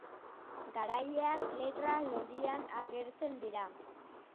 Garaileak letra lodian agertzen dira.